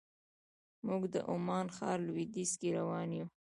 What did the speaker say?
موږ د عمان ښار لویدیځ کې روان یو.